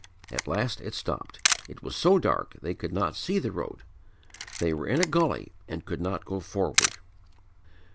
At last it stopped, it was so dark they could not see the road. They were in a gully and could not go forward.